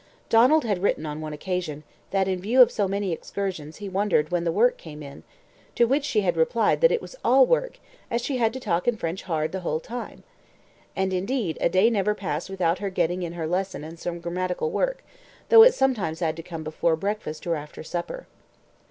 Donald had written on one occasion, that in view of so many excursions he wondered when the work came in; to which she had replied that it was all work, as she had to talk French hard the whole time! And, indeed, a day never passed without her getting in her lesson and some grammatical work, though it sometimes had to come before breakfast or after supper.